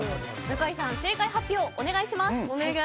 向井さん、正解発表をお願いします。